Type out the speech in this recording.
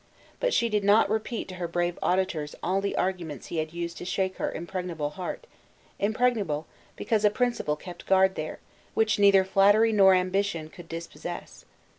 But she did not repeat to her brave auditors all the arguments he had used to shake her impregnable heart impregnable, because a principle kept guard there, which neither flattery nor ambition could dispossess.